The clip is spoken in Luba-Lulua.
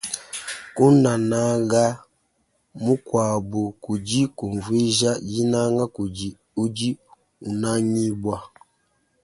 Kunanaga mukuabu kudi kuvuija dinanga kudi udi unangibua.